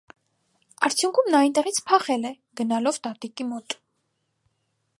Արդյունքում նա այնտեղից փախել է՝ գնալով տատիկի մոտ։